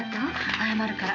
謝るから。